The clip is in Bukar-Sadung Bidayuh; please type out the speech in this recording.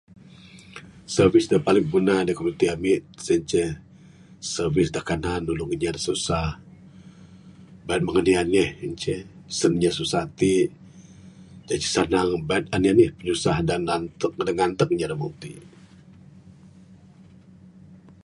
Servis da paling biguna da komuniti ami' sen ceh, servis da kanan nulung inya da susah. Baik ne mung anih anih en ceh, sien inya nya susah ti', baik senang. Anih anih pinyusah da nantud, da nantud inya da mung ti'.